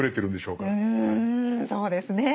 うんそうですね。